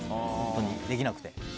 本当に、できなくて。